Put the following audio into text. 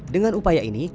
dengan upaya ini